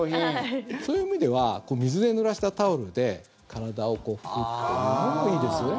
そういう意味では水でぬらしたタオルで体を拭くというのもいいですよね。